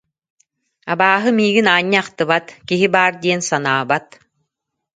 Абааһы миигин аанньа ахтыбат, киһи баар диэн санаабат